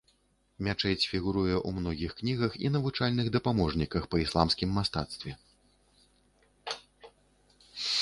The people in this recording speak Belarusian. Мячэць фігуруе ў многіх кнігах і навучальных дапаможніках па ісламскім мастацтве.